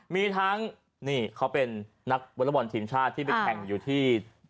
มีทั้งนี่เขาเป็นนักวอเลอร์บอลทีมชาติที่ไปแข่งอยู่ที่